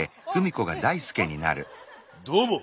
どうも。